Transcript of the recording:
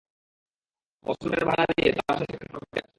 অস্ত্র ধারের বাহানা দিয়ে তার সাথে সাক্ষাৎ করতে আসে।